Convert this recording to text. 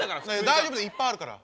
大丈夫だよいっぱいあるから。